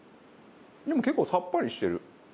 でも結構さっぱりしてる。